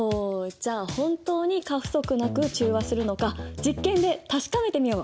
じゃあ本当に過不足なく中和するのか実験で確かめてみよう！